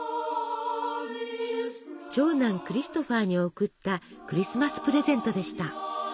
長男クリストファーに贈ったクリスマスプレゼントでした。